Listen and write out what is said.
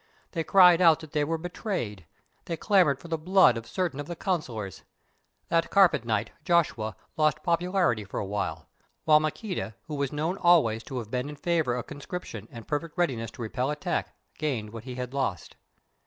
They cried out that they were betrayed—they clamoured for the blood of certain of the Councillors. That carpet knight, Joshua, lost popularity for a while, while Maqueda, who was known always to have been in favour of conscription and perfect readiness to repel attack, gained what he had lost.